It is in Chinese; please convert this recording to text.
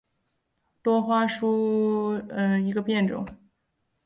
多花溲疏为虎耳草科溲疏属下的一个变种。